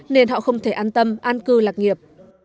nên họ không thể an tâm an cư lạc nghiệp